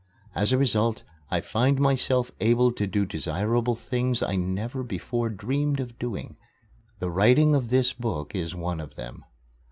As a result, I find myself able to do desirable things I never before dreamed of doing the writing of this book is one of them.